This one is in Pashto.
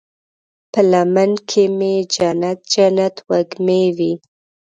په لمن کې مې جنت، جنت وږمې وی